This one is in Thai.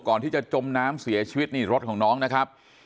ก่อนที่จะจมน้ำเสียชีวิตนี่รถของน้องนะครับ